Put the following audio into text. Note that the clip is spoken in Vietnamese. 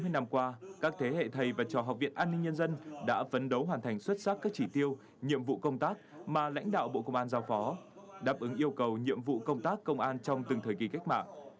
chín mươi năm qua các thế hệ thầy và trò học viện an ninh nhân dân đã phấn đấu hoàn thành xuất sắc các chỉ tiêu nhiệm vụ công tác mà lãnh đạo bộ công an giao phó đáp ứng yêu cầu nhiệm vụ công tác công an trong từng thời kỳ cách mạng